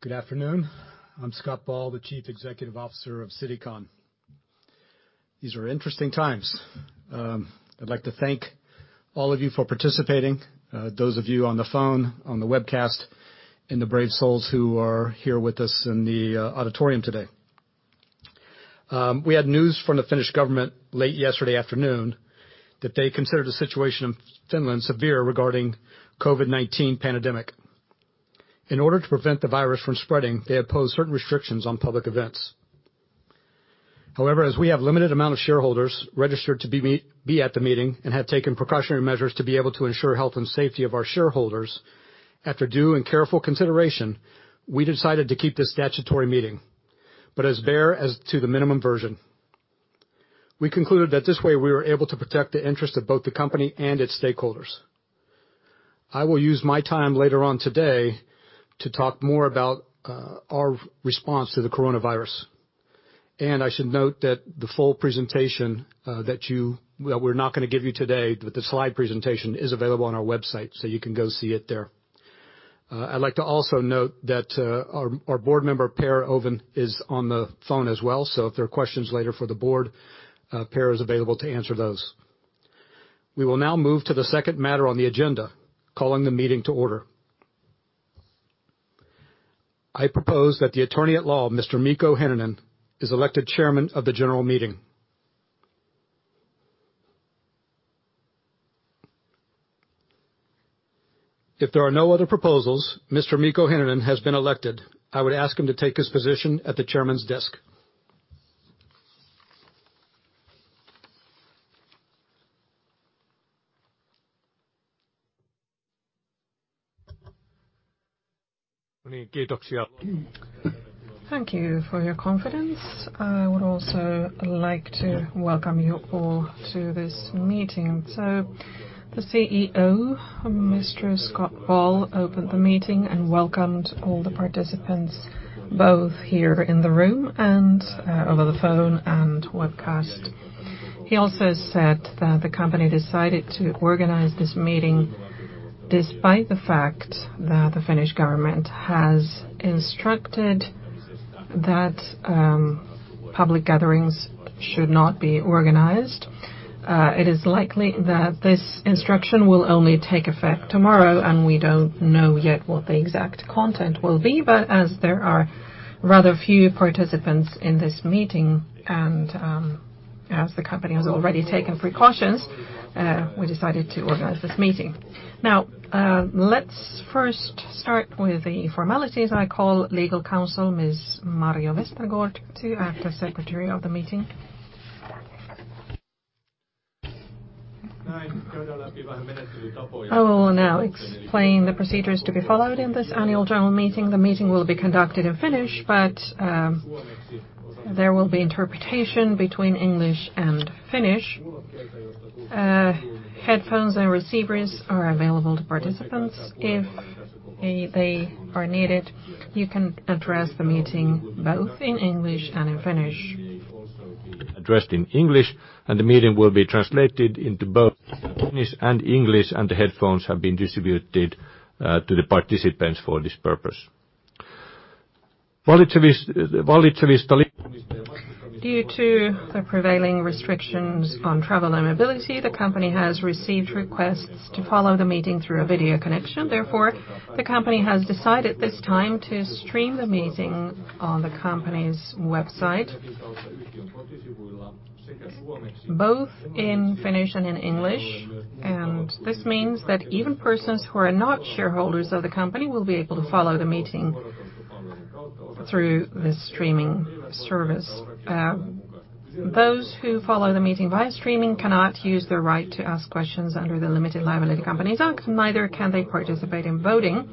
Good afternoon. I'm Scott Ball, the Chief Executive Officer of Citycon. These are interesting times. I'd like to thank all of you for participating, those of you on the phone, on the webcast, and the brave souls who are here with us in the auditorium today. We had news from the Finnish government late yesterday afternoon that they considered the situation in Finland severe regarding COVID-19 pandemic. In order to prevent the virus from spreading, they have posed certain restrictions on public events. As we have limited amount of shareholders registered to be at the meeting and have taken precautionary measures to be able to ensure health and safety of our shareholders, after due and careful consideration, we decided to keep this statutory meeting, but as bare as to the minimum version. We concluded that this way, we were able to protect the interest of both the company and its stakeholders. I will use my time later on today to talk more about our response to the coronavirus. I should note that the full presentation that we're not going to give you today, but the slide presentation is available on our website, you can go see it there. I'd like to also note that our board member, Per-Anders Ovin, is on the phone as well. If there are questions later for the board, Per is available to answer those. We will now move to the second matter on the agenda, calling the meeting to order. I propose that the attorney at law, Mr. Mikko Heinonen, is elected chairman of the general meeting. If there are no other proposals, Mr. Mikko Heinonen has been elected. I would ask him to take his position at the chairman's desk. Thank you for your confidence. I would also like to welcome you all to this meeting. The CEO, Mr. Scott Ball, opened the meeting and welcomed all the participants, both here in the room and over the phone and webcast. He also said that the company decided to organize this meeting despite the fact that the Finnish government has instructed that public gatherings should not be organized. It is likely that this instruction will only take effect tomorrow, and we don't know yet what the exact content will be, but as there are rather few participants in this meeting, and as the company has already taken precautions, we decided to organize this meeting. Let's first start with the formalities. I call Legal Counsel, Ms. Marjo Westergård, to act as secretary of the meeting. I will now explain the procedures to be followed in this annual general meeting. The meeting will be conducted in Finnish, but there will be interpretation between English and Finnish. Headphones and receivers are available to participants if they are needed. You can address the meeting both in English and in Finnish. Addressed in English, and the meeting will be translated into both Finnish and English, and the headphones have been distributed to the participants for this purpose. Due to the prevailing restrictions on travel and mobility, the company has received requests to follow the meeting through a video connection. Therefore, the company has decided this time to stream the meeting on the company's website, both in Finnish and in English. This means that even persons who are not shareholders of the company will be able to follow the meeting through this streaming service. Those who follow the meeting via streaming cannot use their right to ask questions under the Limited Liability Companies Act, neither can they participate in voting.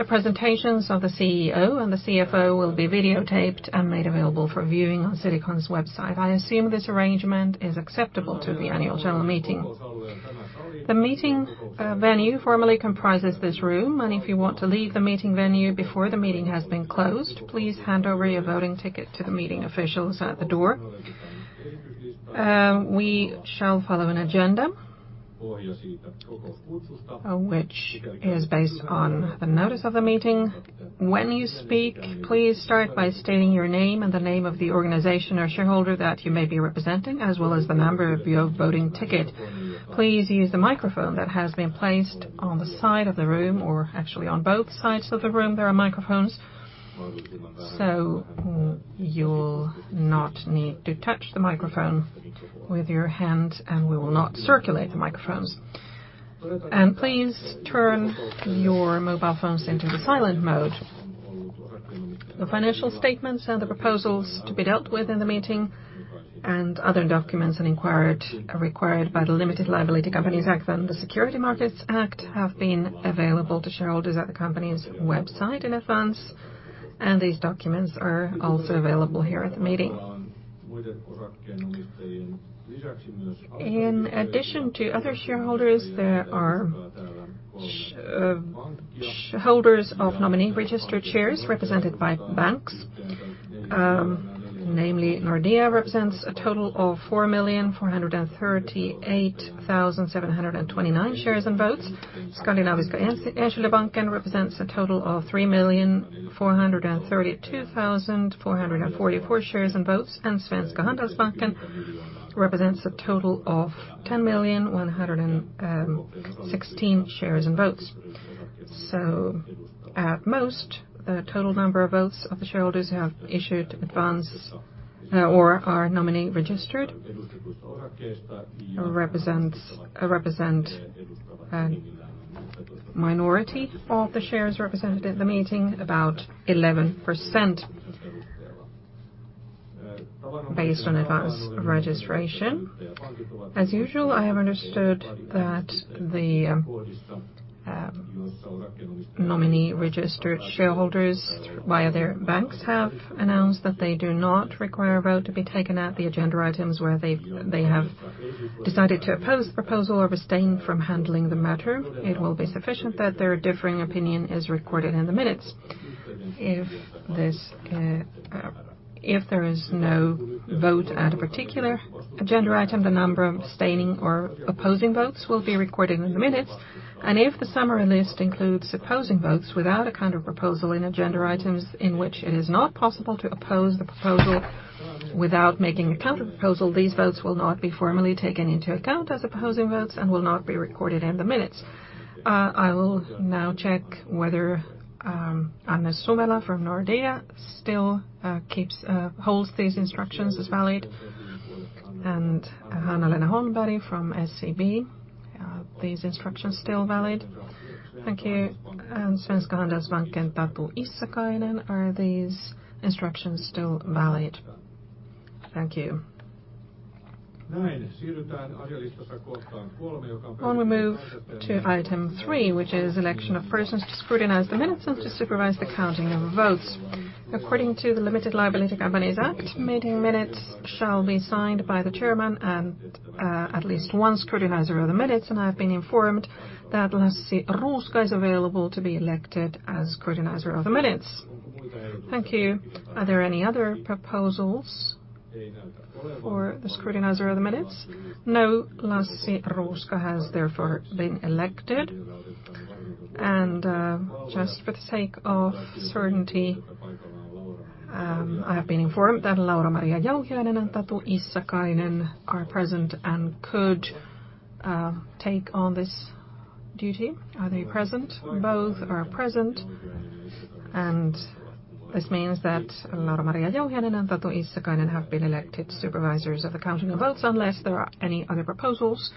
The presentations of the CEO and the CFO will be videotaped and made available for viewing on Citycon's website. I assume this arrangement is acceptable to the annual general meeting. The meeting venue formally comprises this room, and if you want to leave the meeting venue before the meeting has been closed, please hand over your voting ticket to the meeting officials at the door. We shall follow an agenda, which is based on the notice of the meeting. When you speak, please start by stating your name and the name of the organization or shareholder that you may be representing, as well as the number of your voting ticket. Please use the microphone that has been placed on the side of the room, or actually on both sides of the room there are microphones. You'll not need to touch the microphone with your hand, and we will not circulate the microphones. Please turn your mobile phones into the silent mode. The financial statements and the proposals to be dealt with in the meeting and other documents required by the Limited Liability Companies Act and the Securities Markets Act have been available to shareholders at the company's website in advance, and these documents are also available here at the meeting. In addition to other shareholders, there are shareholders of nominee registered shares represented by banks. Namely, Nordea represents a total of 4,438,729 shares and votes. Skandinaviska Enskilda Banken represents a total of 3,432,444 shares and votes, and Svenska Handelsbanken represents a total of 10,000,116 shares and votes. At most, the total number of votes of the shareholders who have issued advance or are nominee registered represent a minority of the shares represented at the meeting, about 11% based on advance registration. As usual, I have understood that the nominee registered shareholders via their banks have announced that they do not require a vote to be taken at the agenda items where they have decided to oppose the proposal or abstain from handling the matter. It will be sufficient that their differing opinion is recorded in the minutes. If there is no vote at a particular agenda item, the number of abstaining or opposing votes will be recorded in the minutes, and if the summary list includes opposing votes without a counterproposal in agenda items in which it is not possible to oppose the proposal without making a counterproposal, these votes will not be formally taken into account as opposing votes and will not be recorded in the minutes. I will now check whether Anne Suvila from Nordea still holds these instructions as valid and Hanna-Lena Holmberg from SCB. Svenska Handelsbanken, Tatu Issakainen, are these instructions still valid? Thank you. On we move to item three, which is election of persons to scrutinize the minutes and to supervise the counting of votes. According to the Limited Liability Companies Act, meeting minutes shall be signed by the chairman and at least one scrutinizer of the minutes, and I have been informed that Lassi Ruuska is available to be elected as scrutinizer of the minutes. Thank you. Are there any other proposals for the scrutinizer of the minutes? No. Lassi Ruuska has therefore been elected and just for the sake of certainty, I have been informed that Laura-Maria Jauhiainen and Tatu Issakainen are present and could take on this duty. Are they present? Both are present. This means that Laura-Maria Jauhiainen and Tatu Issakainen have been elected supervisors of the counting of votes unless there are any other proposals.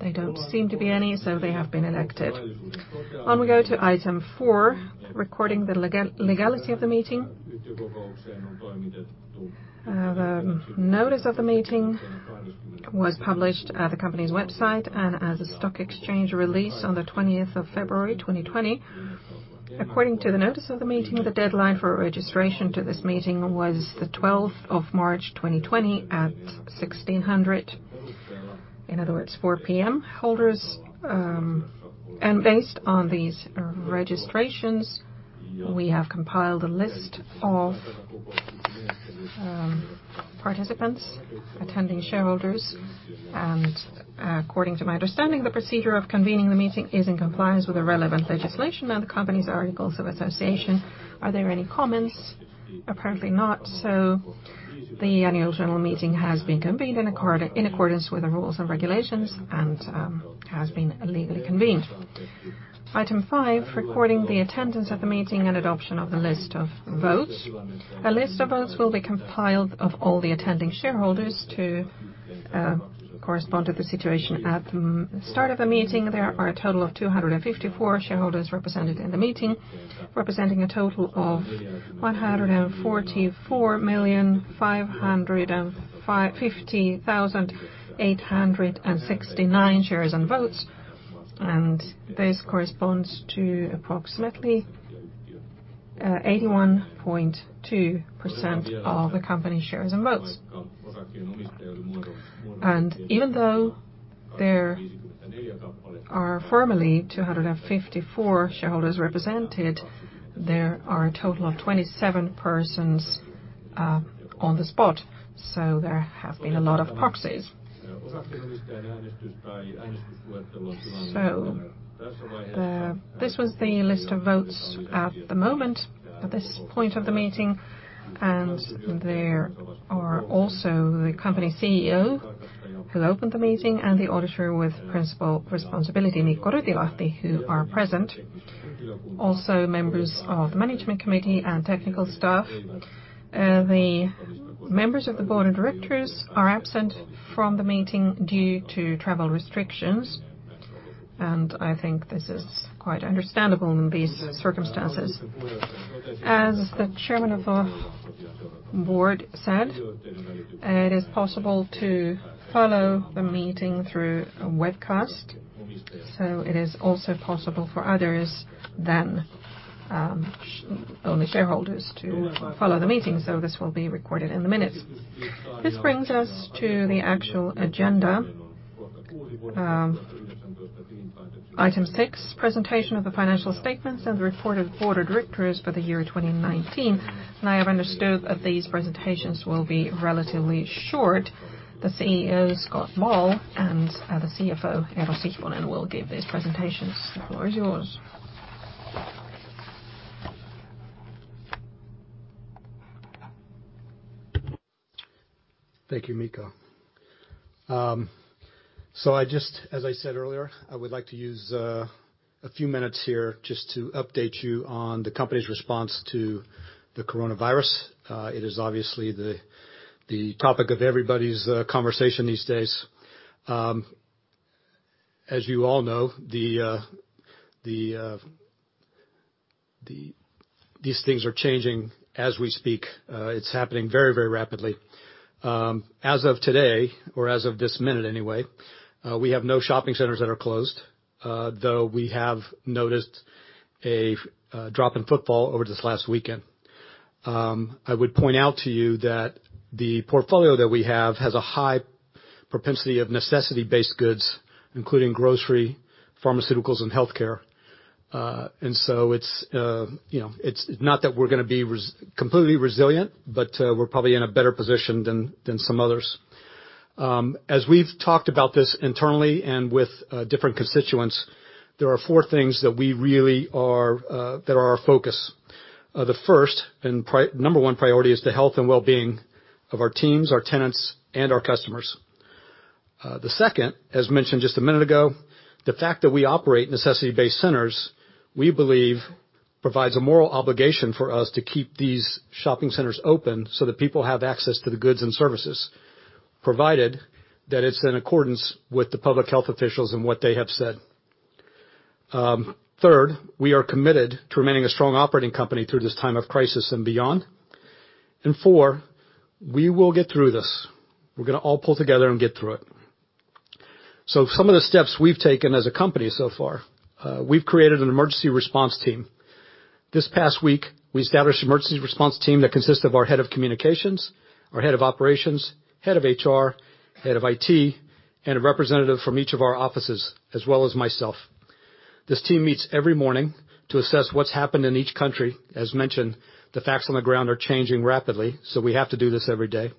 There don't seem to be any. They have been elected. On we go to item 4, recording the legality of the meeting. The notice of the meeting was published at the company's website and as a stock exchange release on the 20th of February 2020. According to the notice of the meeting, the deadline for registration to this meeting was the 12th of March 2020 at 4:00 P.M., in other words, 4:00 P.M. Based on these registrations, we have compiled a list of participants, attending shareholders, and according to my understanding, the procedure of convening the meeting is in compliance with the relevant legislation and the company's articles of association. Are there any comments? Apparently not. The annual general meeting has been convened in accordance with the rules and regulations and has been legally convened. Item 5, recording the attendance at the meeting and adoption of the list of votes. A list of votes will be compiled of all the attending shareholders to correspond to the situation at the start of a meeting. There are a total of 254 shareholders represented in the meeting, representing a total of 144,550,869 shares and votes, and this corresponds to approximately 81.2% of the company shares and votes. Even though there are formally 254 shareholders represented, there are a total of 27 persons on the spot. There have been a lot of proxies. This was the list of votes at the moment at this point of the meeting, and there are also the Company CEO who opened the meeting and the Auditor with principal responsibility, Mikko Rytilahti, who are present, also members of the Management Committee and technical staff. The members of the Board of Directors are absent from the meeting due to travel restrictions, and I think this is quite understandable in these circumstances. As the Chairman of the Board said, it is possible to follow the meeting through a webcast, so it is also possible for others than only shareholders to follow the meeting. This will be recorded in the minutes. This brings us to the actual agenda. Item 6, presentation of the financial statements and the Report of the Board of Directors for the year 2019. I have understood that these presentations will be relatively short. The CEO, Scott Ball, and the CFO, Eero Sihvonen, will give these presentations. The floor is yours. Thank you, Mikko. As I said earlier, I would like to use a few minutes here just to update you on the company's response to the coronavirus. It is obviously the topic of everybody's conversation these days. As you all know, these things are changing as we speak. It's happening very rapidly. As of today, or as of this minute anyway, we have no shopping centers that are closed, though we have noticed a drop in footfall over this last weekend. I would point out to you that the portfolio that we have has a high propensity of necessity-based goods, including grocery, pharmaceuticals, and healthcare. It's not that we're going to be completely resilient, but we're probably in a better position than some others. As we've talked about this internally and with different constituents, there are four things that are our focus. The first, and number 1 priority, is the health and wellbeing of our teams, our tenants, and our customers. The second, as mentioned just one minute ago, the fact that we operate necessity-based centers, we believe provides a moral obligation for us to keep these shopping centers open so that people have access to the goods and services, provided that it's in accordance with the public health officials and what they have said. Third, we are committed to remaining a strong operating company through this time of crisis and beyond. Four, we will get through this. We're going to all pull together and get through it. Some of the steps we've taken as a company so far. We've created an emergency response team. This past week, we established an emergency response team that consists of our head of communications, our head of operations, head of HR, head of IT, and a representative from each of our offices, as well as myself. This team meets every morning to assess what's happened in each country. As mentioned, the facts on the ground are changing rapidly, we have to do this every day.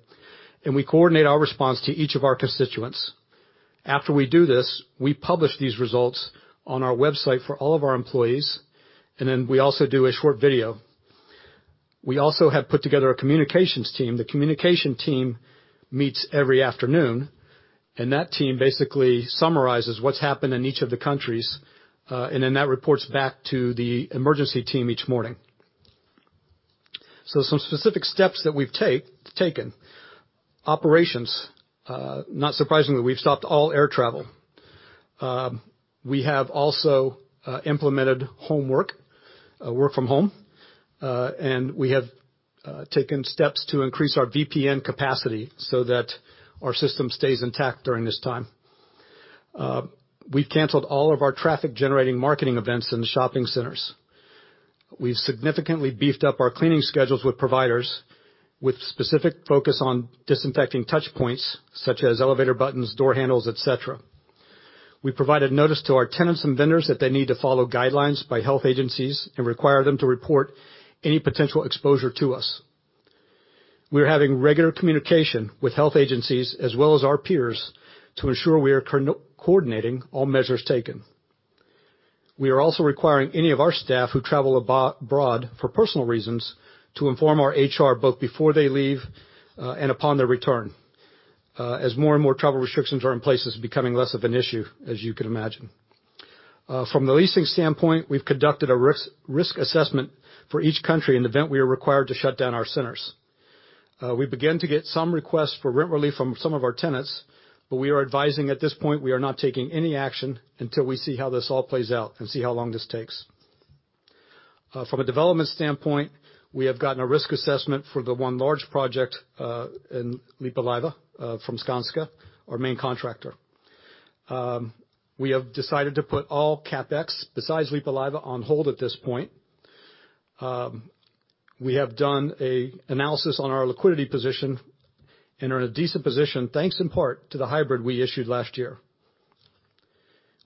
We coordinate our response to each of our constituents. After we do this, we publish these results on our website for all of our employees, we also do a short video. We also have put together a communications team. The communication team meets every afternoon, that team basically summarizes what's happened in each of the countries, that reports back to the emergency team each morning. Some specific steps that we've taken. Operations. Not surprisingly, we've stopped all air travel. We have also implemented homework, work from home, and we have taken steps to increase our VPN capacity so that our system stays intact during this time. We've canceled all of our traffic-generating marketing events in the shopping centers. We've significantly beefed up our cleaning schedules with providers, with specific focus on disinfecting touchpoints such as elevator buttons, door handles, et cetera. We provided notice to our tenants and vendors that they need to follow guidelines by health agencies and require them to report any potential exposure to us. We are having regular communication with health agencies as well as our peers to ensure we are coordinating all measures taken. We are also requiring any of our staff who travel abroad for personal reasons to inform our HR both before they leave and upon their return. As more and more travel restrictions are in place, it's becoming less of an issue, as you could imagine. From the leasing standpoint, we've conducted a risk assessment for each country in the event we are required to shut down our centers. We began to get some requests for rent relief from some of our tenants, but we are advising at this point we are not taking any action until we see how this all plays out and see how long this takes. From a development standpoint, we have gotten a risk assessment for the one large project in Lippulaiva from Skanska, our main contractor. We have decided to put all CapEx, besides Lippulaiva, on hold at this point. We have done an analysis on our liquidity position and are in a decent position, thanks in part to the hybrid we issued last year.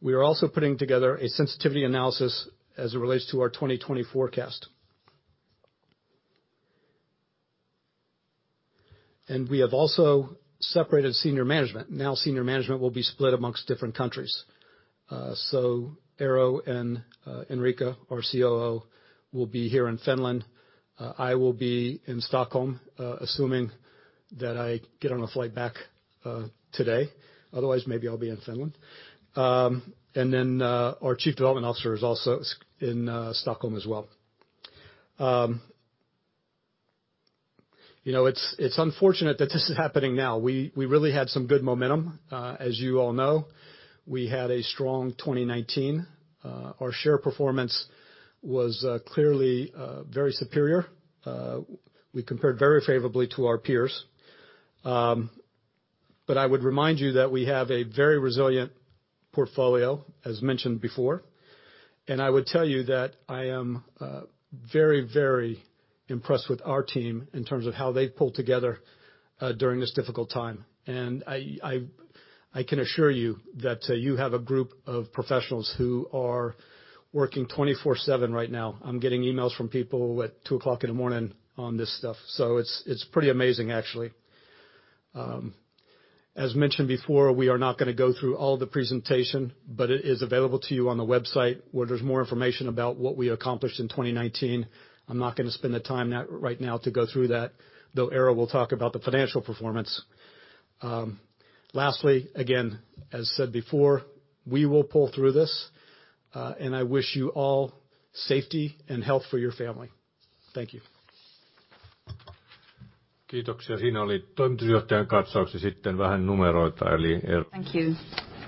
We are also putting together a sensitivity analysis as it relates to our 2020 forecast. We have also separated senior management. Senior management will be split amongst different countries. Eero and Henrica, our COO, will be here in Finland. I will be in Stockholm, assuming that I get on a flight back today. Otherwise, maybe I'll be in Finland. Our chief development officer is also in Stockholm as well. It's unfortunate that this is happening now. We really had some good momentum. As you all know, we had a strong 2019. Our share performance was clearly very superior. We compared very favorably to our peers. I would remind you that we have a very resilient portfolio, as mentioned before. I would tell you that I am very, very impressed with our team in terms of how they've pulled together during this difficult time. I can assure you that you have a group of professionals who are working 24/7 right now. I'm getting emails from people at 2:00 in the morning on this stuff. It's pretty amazing, actually. As mentioned before, we are not going to go through all the presentation, but it is available to you on the website, where there's more information about what we accomplished in 2019. I'm not going to spend the time right now to go through that, though Eero will talk about the financial performance. Lastly, again, as said before, we will pull through this, and I wish you all safety and health for your family. Thank you. Thank you for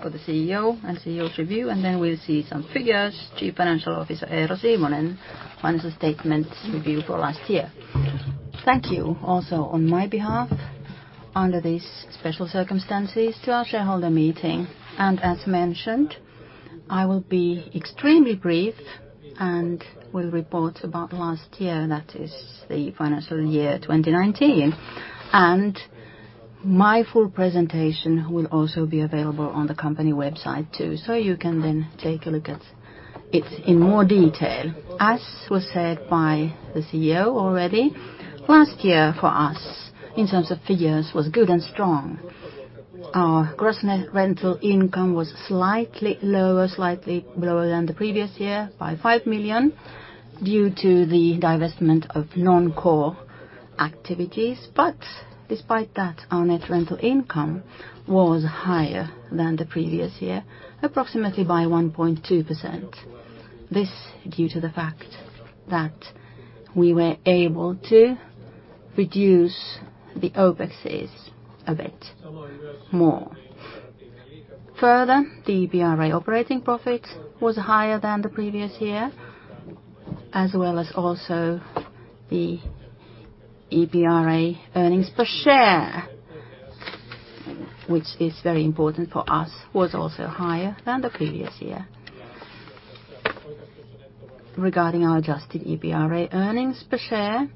the CEO and CEO's review, and then we'll see some figures, Chief Financial Officer Eero Sihvonen, financial statements review for last year. Thank you also on my behalf under these special circumstances to our shareholder meeting. As mentioned, I will be extremely brief and will report about last year, that is the financial year 2019. My full presentation will also be available on the company website too. You can then take a look at it in more detail. As was said by the CEO already, last year for us, in terms of figures, was good and strong. Our gross net rental income was slightly lower than the previous year by 5 million due to the divestment of non-core activities. Despite that, our net rental income was higher than the previous year, approximately by 1.2%. This due to the fact that we were able to reduce the OPEX a bit more. Further, the EPRA operating profit was higher than the previous year, as well as also the EPRA earnings per share, which is very important for us, was also higher than the previous year. Regarding our adjusted EPRA earnings per share,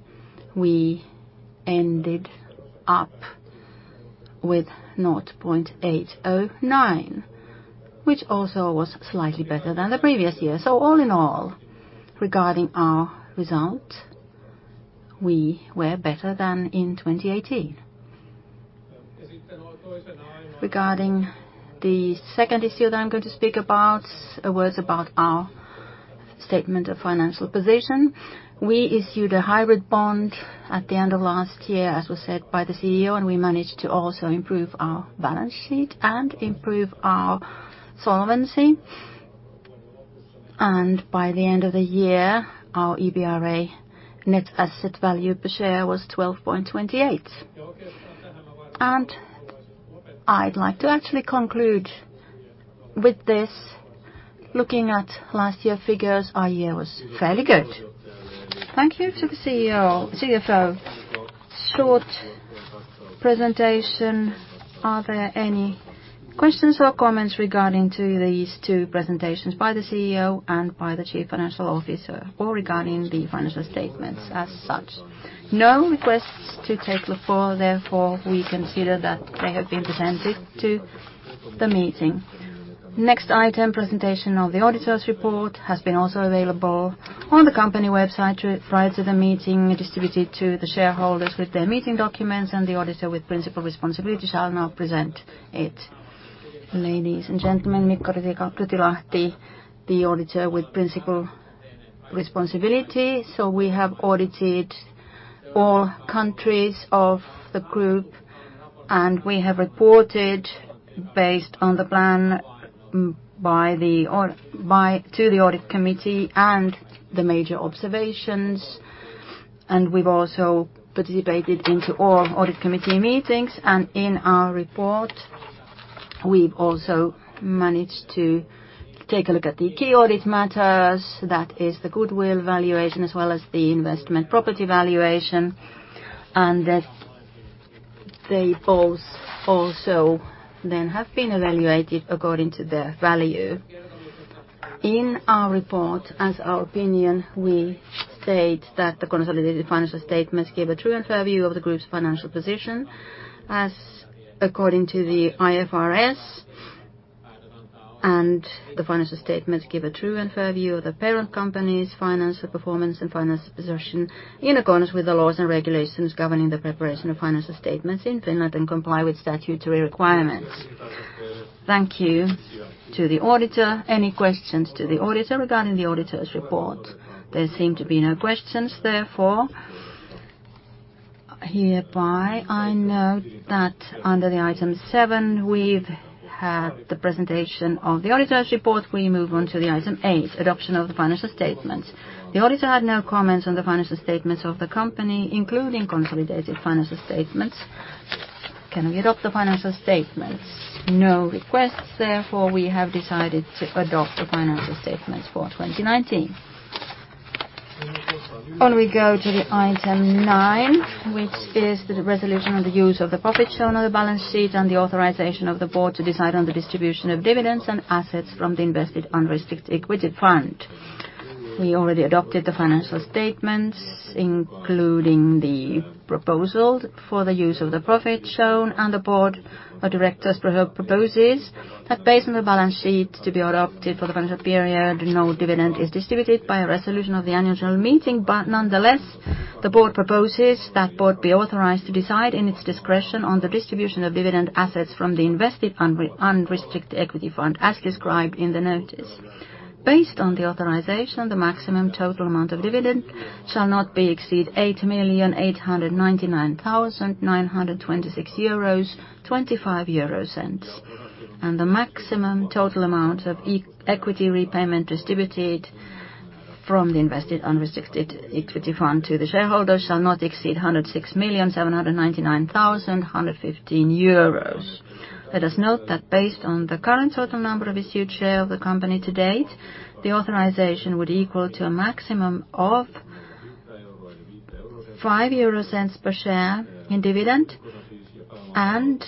we ended up with 0.809, which also was slightly better than the previous year. All in all, regarding our result, we were better than in 2018. Regarding the second issue that I'm going to speak about, a word about our statement of financial position. We issued a hybrid bond at the end of last year, as was said by the CEO, and we managed to also improve our balance sheet and improve our solvency. By the end of the year, our EPRA net asset value per share was 12.28. I'd like to actually conclude with this. Looking at last year figures, our year was fairly good. Thank you to the CFO short presentation. Are there any questions or comments regarding to these two presentations by the CEO and by the Chief Financial Officer, or regarding the financial statements as such? No requests to take the floor, therefore, we consider that they have been presented to the meeting. Next item, presentation of the auditor's report has been also available on the company website prior to the meeting, distributed to the shareholders with their meeting documents, and the Auditor with Principal Responsibility shall now present it. Ladies and gentlemen, Mikko Rytilahti, the Auditor with Principal Responsibility. We have audited all countries of the group, and we have reported based on the plan to the audit committee and the major observations, and we've also participated into all audit committee meetings. In our report, we've also managed to take a look at the key audit matters, that is the goodwill valuation, as well as the investment property valuation, and that they both also then have been evaluated according to their value. In our report, as our opinion, we state that the consolidated financial statements give a true and fair view of the group's financial position, as according to the IFRS and the financial statements give a true and fair view of the parent company's financial performance and financial position in accordance with the laws and regulations governing the preparation of financial statements in Finland and comply with statutory requirements. Thank you to the auditor. Any questions to the auditor regarding the auditor's report? There seem to be no questions, therefore, hereby I note that under the item seven, we've had the presentation of the auditor's report. We move on to the item eight, adoption of the financial statements. The auditor had no comments on the financial statements of the company, including consolidated financial statements. Can we adopt the financial statements? No requests, therefore, we have decided to adopt the financial statements for 2019. On we go to the item nine, which is the resolution on the use of the profits on the balance sheet and the authorization of the Board to decide on the distribution of dividends and assets from the invested unrestricted equity fund. We already adopted the financial statements, including the proposal for the use of the profit shown on. The Board of Directors proposes that based on the balance sheet to be adopted for the financial period, no dividend is distributed by a resolution of the annual general meeting. Nonetheless, the board proposes that board be authorized to decide in its discretion on the distribution of dividend assets from the invested unrestricted equity fund, as described in the notice. Based on the authorization, the maximum total amount of dividend shall not be exceed 8,899,926.25 euros, and the maximum total amount of equity repayment distributed from the invested unrestricted equity fund to the shareholders shall not exceed 106,799,115 euros. Let us note that based on the current total number of issued share of the company to date, the authorization would equal to a maximum of 0.05 per share in dividend and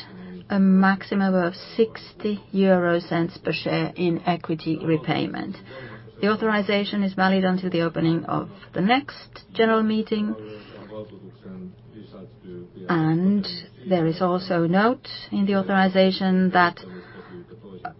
a maximum of 0.60 per share in equity repayment. The authorization is valid until the opening of the next general meeting. There is also note in the authorization that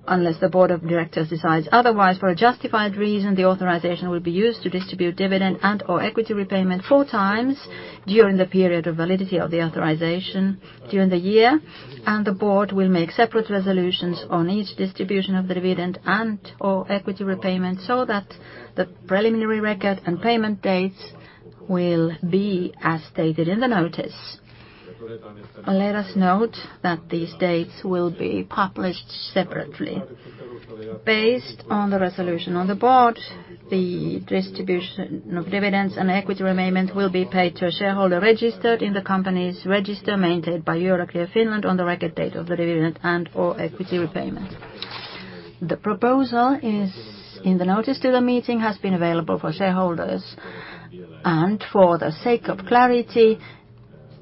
unless the board of directors decides otherwise, for a justified reason, the authorization will be used to distribute dividend and/or equity repayment four times during the period of validity of the authorization during the year, and the board will make separate resolutions on each distribution of the dividend and/or equity repayment so that the preliminary record and payment dates will be as stated in the notice. Let us note that these dates will be published separately. Based on the resolution of the board, the distribution of dividends and equity repayment will be paid to a shareholder registered in the company's register maintained by Euroclear Finland on the record date of the dividend and/or equity repayment. The proposal is in the notice to the meeting has been available for shareholders. For the sake of clarity,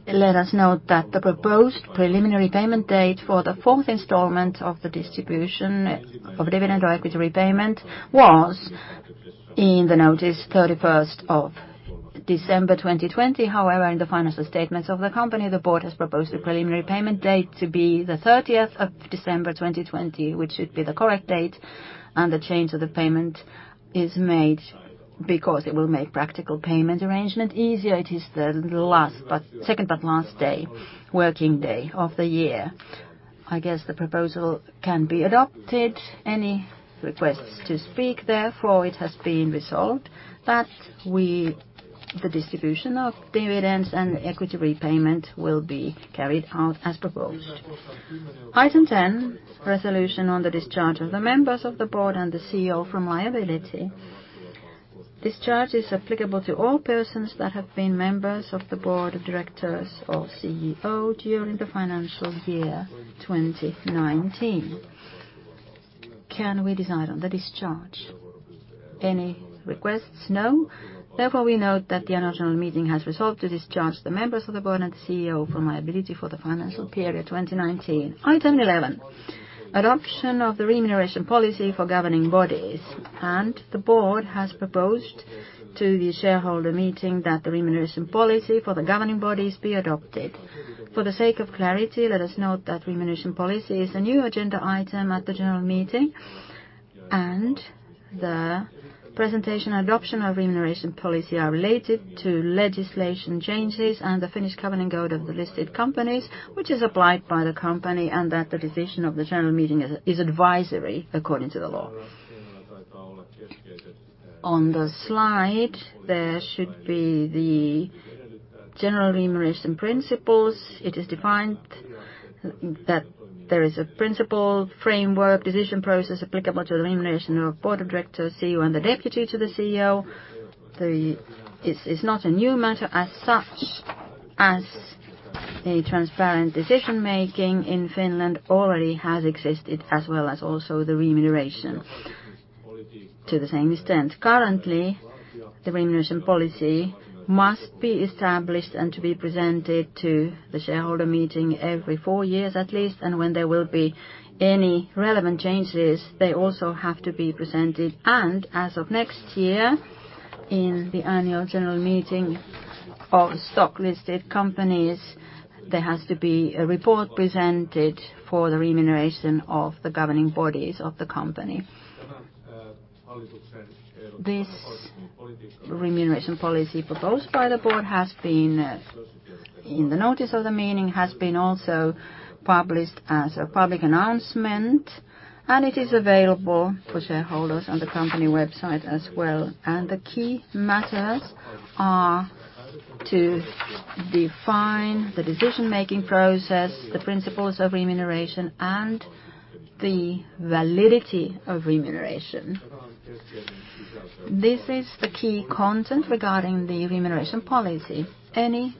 let us note that the proposed preliminary payment date for the fourth installment of the distribution of dividend or equity repayment was in the notice 31st of December 2020. However, in the financial statements of the company, the board has proposed a preliminary payment date to be the 30th of December 2020, which should be the correct date, and the change of the payment is made because it will make practical payment arrangement easier. It is the second but last working day of the year. I guess the proposal can be adopted. Any requests to speak? Therefore, it has been resolved that the distribution of dividends and equity repayment will be carried out as proposed. Item 10, resolution on the discharge of the members of the board and the CEO from liability. Discharge is applicable to all persons that have been members of the board of directors or CEO during the financial year 2019. Can we decide on the discharge? Any requests? No. We note that the annual general meeting has resolved to discharge the members of the board and the CEO from liability for the financial period 2019. Item 11, adoption of the remuneration policy for governing bodies. The board has proposed to the shareholder meeting that the remuneration policy for the governing bodies be adopted. For the sake of clarity, let us note that remuneration policy is a new agenda item at the general meeting. The presentation and adoption of remuneration policy are related to legislation changes and the Finnish Corporate Governance Code of the listed companies, which is applied by the company. The decision of the general meeting is advisory according to the law. On the slide, there should be the general remuneration principles. It is defined that there is a principle framework decision process applicable to the remuneration of Board of Directors, CEO, and the Deputy to the CEO. It's not a new matter as such as a transparent decision-making in Finland already has existed, as well as also the remuneration to the same extent. Currently, the remuneration policy must be established and to be presented to the shareholder meeting every four years at least, and when there will be any relevant changes, they also have to be presented. As of next year, in the annual general meeting of stock-listed companies, there has to be a report presented for the remuneration of the governing bodies of the company. This remuneration policy proposed by the board has been in the notice of the meeting, has been also published as a public announcement. It is available for shareholders on the company website as well. The key matters are to define the decision-making process, the principles of remuneration, and the validity of remuneration. This is the key content regarding the remuneration policy. Any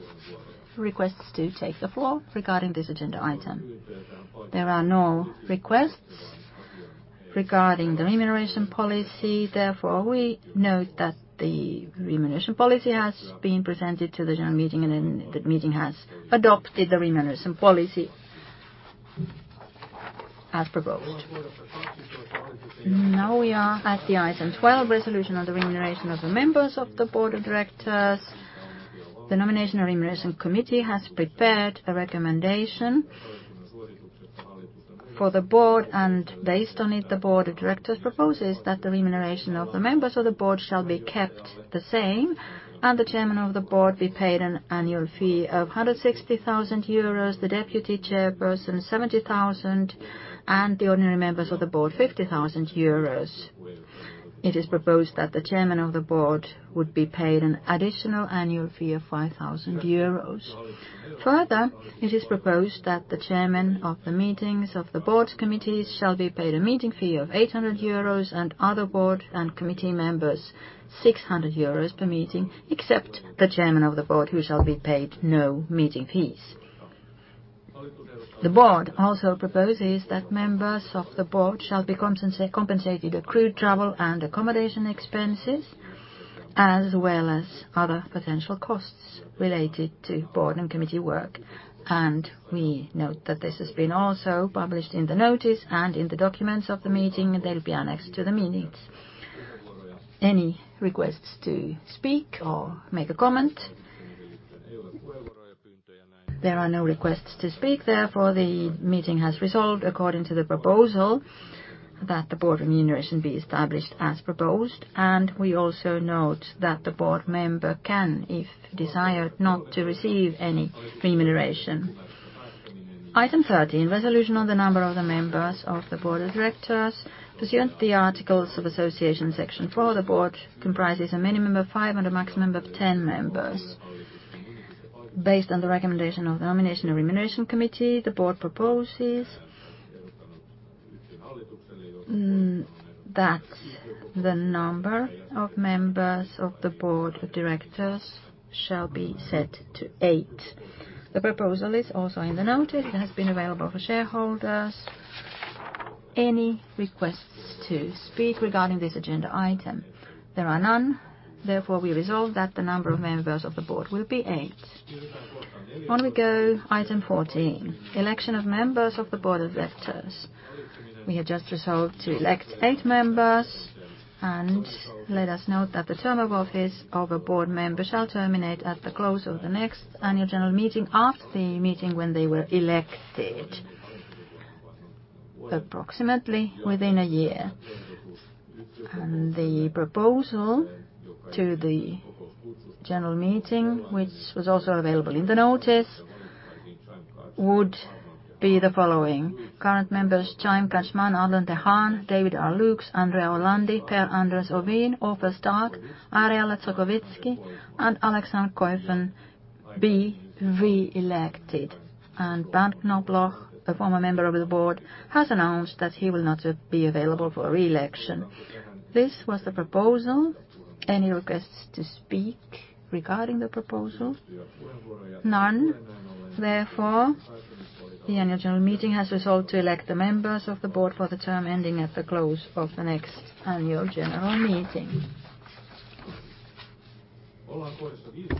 requests to take the floor regarding this agenda item? There are no requests regarding the remuneration policy, therefore, we note that the remuneration policy has been presented to the general meeting and the meeting has adopted the remuneration policy as proposed. Now we are at the item 12, resolution of the remuneration of the members of the Board of Directors. The nomination and remuneration committee has prepared a recommendation for the Board, and based on it, the Board of Directors proposes that the remuneration of the members of the Board shall be kept the same and the Chairman of the Board be paid an annual fee of 160,000 euros, the Deputy Chairperson 70,000 and the ordinary members of the Board 50,000 euros. It is proposed that the Chairman of the Board would be paid an additional annual fee of 5,000 euros. Further, it is proposed that the chairman of the meetings of the Board committees shall be paid a meeting fee of 800 euros and other Board and committee members 600 euros per meeting, except the Chairman of the Board, who shall be paid no meeting fees. The board also proposes that members of the board shall be compensated accrued travel and accommodation expenses, as well as other potential costs related to board and committee work. We note that this has been also published in the notice and in the documents of the meeting, and they'll be annexed to the meetings. Any requests to speak or make a comment? There are no requests to speak, therefore, the meeting has resolved according to the proposal that the board remuneration be established as proposed, and we also note that the board member can, if desired, not to receive any remuneration. Item 13, resolution on the number of the members of the board of directors. Pursuant to the articles of association section four of the board, comprises a minimum of five and a maximum of 10 members. Based on the recommendation of the nomination and remuneration committee, the Board proposes that the number of members of the Board of Directors shall be set to eight. The proposal is also in the notice and has been available for shareholders. Any requests to speak regarding this agenda item? There are none. Therefore, we resolve that the number of members of the Board will be eight. On we go, item 14, election of members of the Board of Directors. We have just resolved to elect eight members. Let us note that the term of office of a board member shall terminate at the close of the next annual general meeting after the meeting when they were elected, approximately within a year. The proposal to the general meeting, which was also available in the notice, would be the following. Current members, Chaim Katzman, Arnold de Haan, David R. Lukes, Andrea Orlandi, Per-Anders Ovin, Ofer Stark, Ariella Zochovitzky, and Alexander Keuben be reelected. Bernd Knobloch, the former member of the board, has announced that he will not be available for reelection. This was the proposal. Any requests to speak regarding the proposal? None. Therefore, the annual general meeting has resolved to elect the members of the board for the term ending at the close of the next annual general meeting.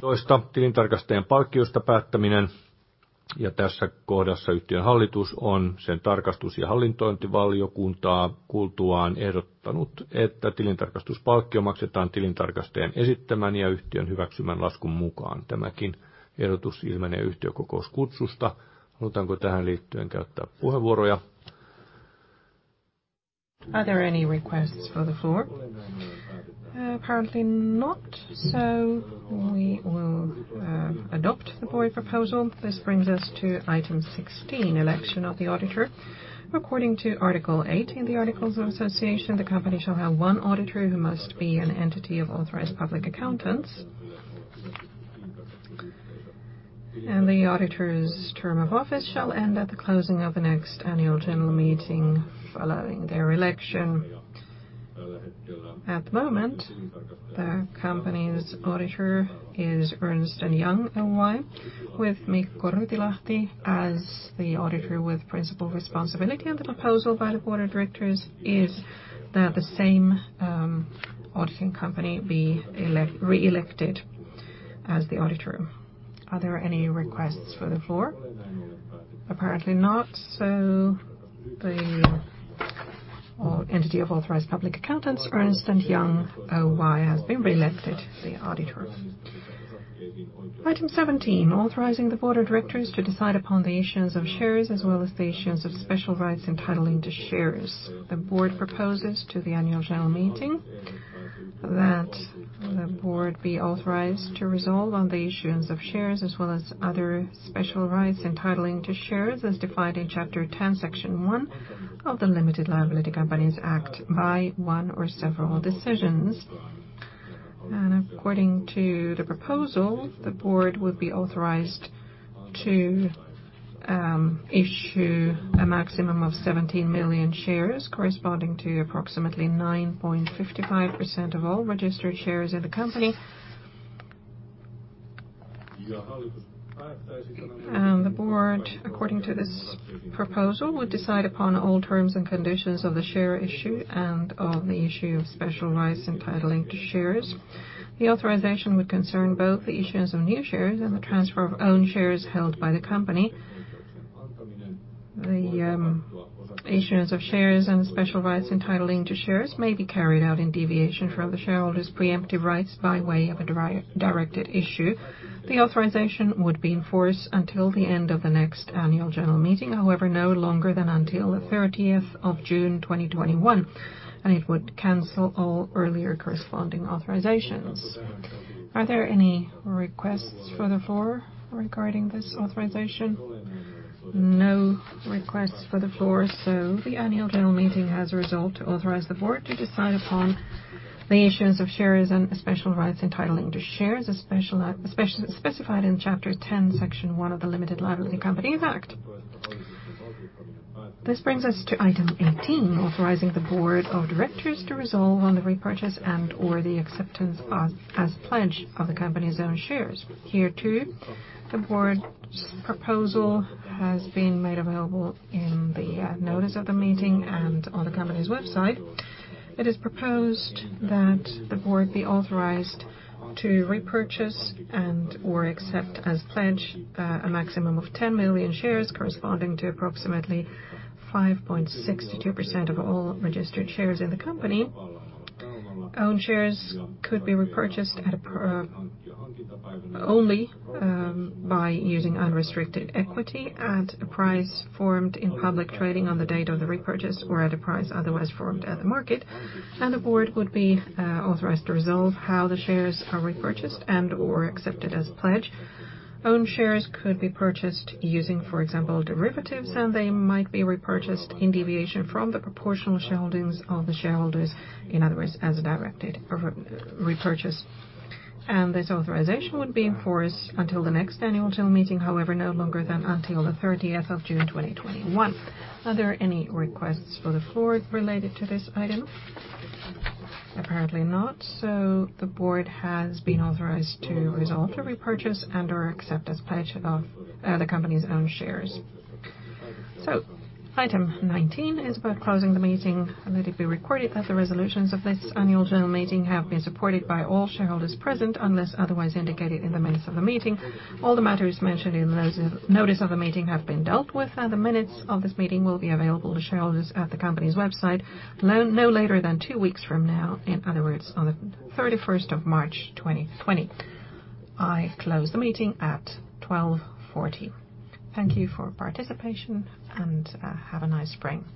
Are there any requests for the floor? Apparently not, we will adopt the board proposal. This brings us to item 16, election of the auditor. According to Article 18 of the Articles of Association, the company shall have one auditor who must be an entity of authorized public accountants. The auditor's term of office shall end at the closing of the next annual general meeting following their election. At the moment, the company's auditor is Ernst & Young Oy, with Mikko Rytilahti as the auditor with principal responsibility. The proposal by the board of directors is that the same auditing company be reelected as the auditor. Are there any requests for the floor? Apparently not. The entity of authorized public accountants, Ernst & Young Oy, has been reelected the auditors. Item 17, authorizing the board of directors to decide upon the issuance of shares as well as the issuance of special rights entitling to shares. The board proposes to the annual general meeting that the board be authorized to resolve on the issuance of shares as well as other special rights entitling to shares as defined in Chapter 10, Section 1 of the Limited Liability Companies Act by one or several decisions. According to the proposal, the board would be authorized to issue a maximum of 17 million shares corresponding to approximately 9.55% of all registered shares in the company. The board, according to this proposal, would decide upon all terms and conditions of the share issue and on the issue of special rights entitling to shares. The authorization would concern both the issuance of new shares and the transfer of own shares held by the company. The issuance of shares and special rights entitling to shares may be carried out in deviation from the shareholders' preemptive rights by way of a directed issue. The authorization would be in force until the end of the next annual general meeting, however, no longer than until the 30th of June 2021, and it would cancel all earlier corresponding authorizations. Are there any requests for the floor regarding this authorization? No requests for the floor. The annual general meeting has resolved to authorize the board to decide upon the issuance of shares and special rights entitling to shares as specified in Chapter 10, Section one of the Limited Liability Companies Act. This brings us to Item 18, authorizing the board of directors to resolve on the repurchase and/or the acceptance as pledge of the company's own shares. Here, too, the board's proposal has been made available in the notice of the meeting and on the company's website. It is proposed that the board be authorized to repurchase and/or accept as pledge a maximum of 10 million shares corresponding to approximately 5.62% of all registered shares in the company. Own shares could be repurchased only by using unrestricted equity at a price formed in public trading on the date of the repurchase or at a price otherwise formed at the market, the board would be authorized to resolve how the shares are repurchased and/or accepted as pledge. Own shares could be purchased using, for example, derivatives, they might be repurchased in deviation from the proportional shareholdings of the shareholders. In other words, as a directed repurchase. This authorization would be in force until the next annual general meeting, however, no longer than until the 30th of June 2021. Are there any requests for the floor related to this item? Apparently not. The board has been authorized to resolve to repurchase and/or accept as pledge of the company's own shares. Item 19 is about closing the meeting. Let it be recorded that the resolutions of this annual general meeting have been supported by all shareholders present unless otherwise indicated in the minutes of the meeting. All the matters mentioned in the notice of the meeting have been dealt with, and the minutes of this meeting will be available to shareholders at the company's website no later than two weeks from now, in other words, on the 31st of March 2020. I close the meeting at 12:40 P.M. Thank you for participation and have a nice spring.